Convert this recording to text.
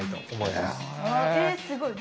えすごい。